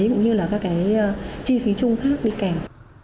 cũng như là các cái chi phí chung khác đi kèm